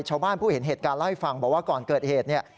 ชาวบ้านผู้เห็นเหตุการณ์เล่าให้ฟังบอกว่าก่อนเกิดเหตุเนี่ย